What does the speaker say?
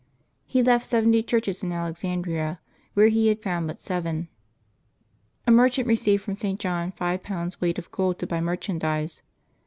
He left seventy churches in Alexandria, where he had found but seven. A merchant received from St. John five pounds weight of gold to buy merchandise.